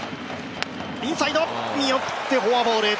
インサイド、見送ってフォアボール